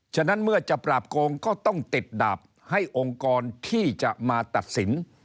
ฉะนั้นเมื่อจะปราบโกงก็ต้องติดดาบให้องค์กรที่จะมาตัดสิน